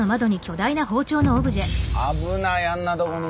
危ないあんなとこに。